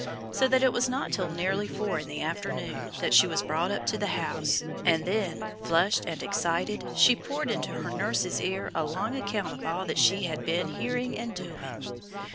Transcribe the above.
So that it was not till nearly four in the afternoon that she was brought up to the house, and then, flushed and excited, she poured into her nurse's ear a long account of all that she had been hearing and doing.